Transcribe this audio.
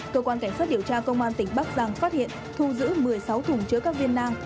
cơ quan cảnh sát điều tra công an tỉnh bắc giang phát hiện thu giữ một mươi sáu thùng chứa các viên nang